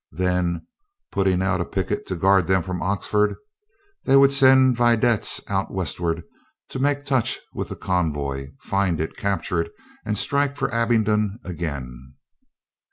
Then, putting out a picket to guard them from Oxford, they would send vedettes out westward to make touch with the convoy, find it, capture it and strike for Abingdon again.